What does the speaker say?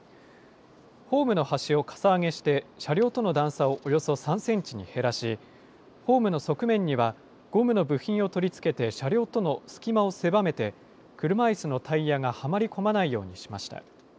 ホームの端をかさ上げして車両との段差をおよそ３センチに減らし、ホームの側面には、ゴムの部品を取り付けて車両との隙間を狭めて、車いすのタイヤがはまり込まないようにしました。